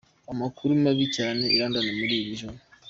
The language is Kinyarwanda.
"Amakuru mabi cyane i London muri iri joro.